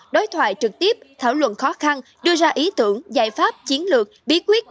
đối thoại trực tiếp thảo luận khó khăn đưa ra ý tưởng giải pháp chiến lược bí quyết